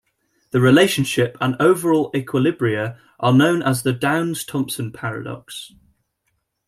The relationship and overall equilibria are also known as the "Downs-Thomson paradox".